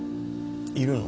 いるの？